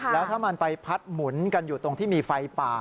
แล้วถ้ามันไปพัดหมุนกันอยู่ตรงที่มีไฟป่า